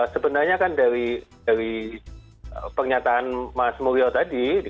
sebenarnya kan dari pernyataan mas mulyo tadi